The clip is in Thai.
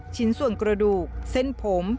ชิ้นส่วนกระดูกเส้นผม